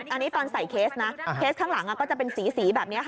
อันนี้ตอนใส่เคสนะเคสข้างหลังก็จะเป็นสีแบบนี้ค่ะ